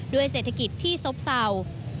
ด้วยเศรษฐกิจที่ซบเสา